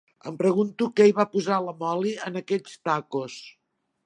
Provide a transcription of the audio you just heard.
Em pregunto què hi va posar la Molly, en aquells tacos?